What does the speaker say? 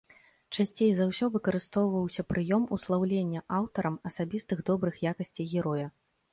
Часцей за ўсё выкарыстоўваўся прыём услаўлення аўтарам асабістых добрых якасцей героя.